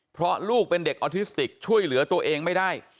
เพราะลูกเป็นเด็กออทิสติกช่วยเหลือตัวเองไม่ได้